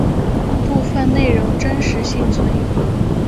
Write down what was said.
部分内容真实性存疑。